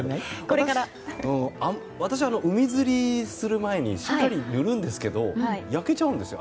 私は海釣りする前にしっかり塗るんですけど焼けちゃうんですよ。